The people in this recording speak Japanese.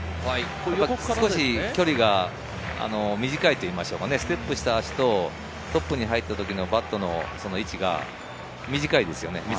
少し距離が短いといいますか、ステップした足とトップに入った時のバットの位置が短いですよね。